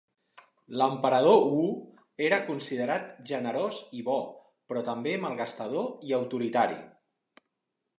L'emperador Wu era considerat generós i bo, però també malgastador i autoritari.